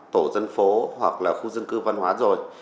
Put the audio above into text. tổ dân phố hoặc là khu dân cư văn hóa rồi